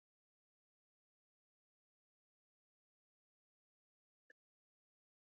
ده حزبیان د هلال ملاتړ ته را بللي دي.